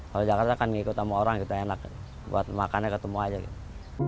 kalau jakarta kan ngikut sama orang gitu enak buat makannya ketemu aja gitu